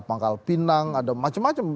pangkal pinang ada macam macam